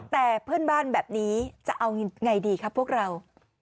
แต่เพื่อนบ้านแบบนี้จะเอายังไงดีครับพวกเรา